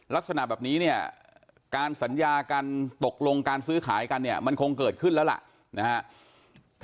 แค่ว่าเป็นแต่ยอมรับแล้วน่ะมีทางซื้อขายจริงมันคงเกิดขึ้นแล้วล่ะนะฮะ